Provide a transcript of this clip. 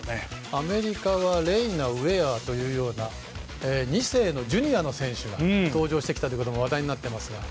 アメリカはウェアやレイナという２世のジュニアの選手が登場してきたということで話題にもなっていますが。